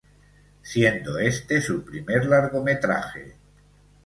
Siendo este su primer largometraje.